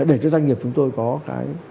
để cho doanh nghiệp chúng tôi có cái